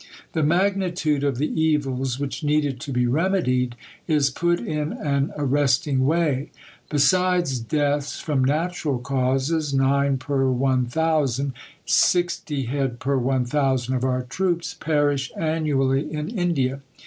The magnitude of the evils which needed to be remedied is put in an arresting way. "Besides deaths from natural causes [9 per 1000], 60 head per 1000 of our troops perish annually in India.